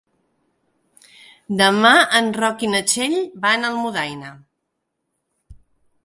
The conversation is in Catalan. Demà en Roc i na Txell van a Almudaina.